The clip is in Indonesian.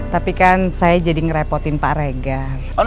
tapi kan saya jadi ngerepotin pak regar